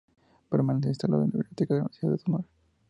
Permanece instalado en la biblioteca de la Universidad de Sonora.